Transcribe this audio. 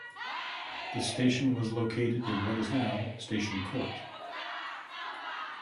The station was located in what is now Station Court.